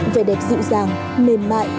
vẻ đẹp dịu dàng mềm mại